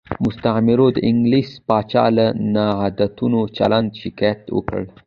مستعمرو د انګلیس پاچا له ناعادلانه چلند شکایت وکړ.